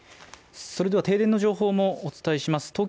それでは停電の情報もお伝えします